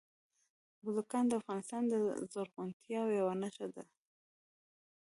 بزګان د افغانستان د زرغونتیا یوه نښه ده.